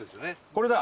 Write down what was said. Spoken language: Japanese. これだ。